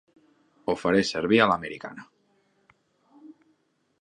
Ho faré servir a l'americana.